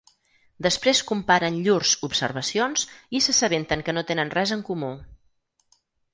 Després comparen llurs observacions i s'assabenten que no tenen res en comú.